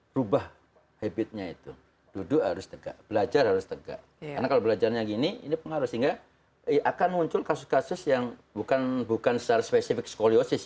berubah habitnya itu duduk harus tegak belajar harus tegak karena kalau belajarnya gini ini pengaruh sehingga akan muncul kasus kasus yang bukan secara spesifik skoliosis